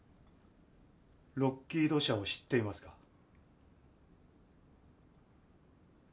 ロッキード社を知っていますか？